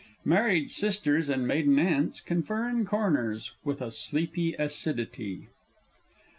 _Married Sisters and Maiden Aunts confer in corners with a sleepy acidity.